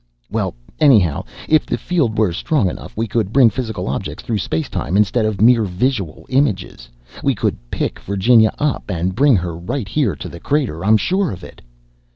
"Well, anyhow, if the field were strong enough, we could bring physical objects through space time, instead of mere visual images. We could pick Virginia up and bring her right here to the crater! I'm sure of it!"